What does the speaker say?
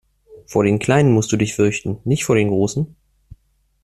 Vor den kleinen musst du dich fürchten, nicht vor den großen!